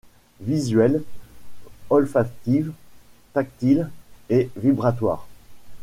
Visuelles, olfactives, tactiles et vibratoires…